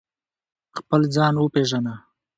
خپل ځان و پېژنه